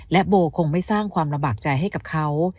โบคงไม่สร้างความระบากใจให้กับเขา